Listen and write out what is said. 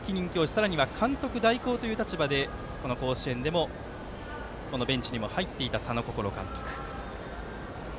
さらには監督代行という立場で甲子園のベンチにも入っていた佐野心監督。